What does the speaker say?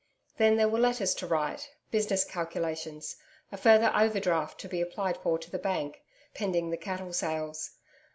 Then there were letters to write, business calculations, a further overdraft to be applied for to the Bank, pending the cattle sales....